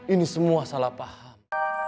ini semua salah paham